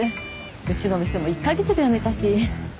うちの店も１カ月で辞めたし。